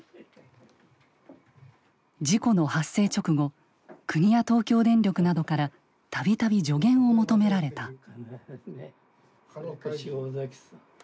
事故の発生直後国や東京電力などから度々助言を求められた。